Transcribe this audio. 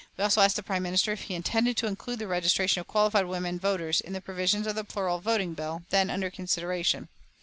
We also asked the Prime Minister if he intended to include the registration of qualified women voters in the provisions of the plural voting bill, then under consideration.